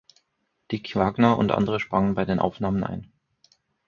Dick Wagner und andere sprangen bei den Aufnahmen ein.